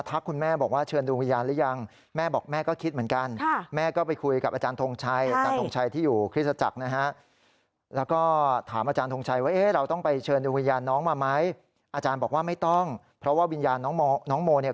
ตั้งแต่๒มีนาทีเออเออ